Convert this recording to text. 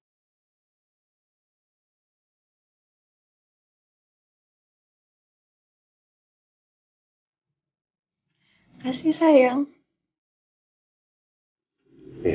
kamu jaga kesehatan ya